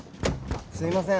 すいません。